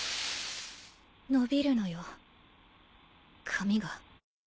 伸びるのよ髪が。